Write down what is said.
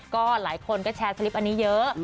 ก็หลายคนก็แชร์สลิปอันนี้เยอะ